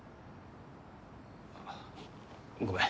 あっごめん。